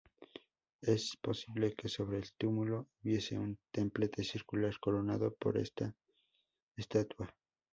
Es posible que sobre el túmulo hubiese un templete circular coronado por una estatua.